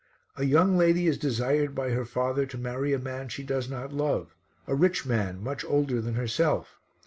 A young lady is desired by her father to marry a man she does not love, a rich man, much older than herself.